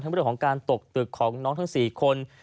เรื่องของการตกตึกของน้องทั้ง๔คน